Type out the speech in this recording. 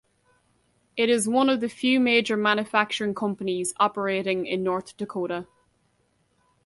It is one of the few major manufacturing companies operating in North Dakota.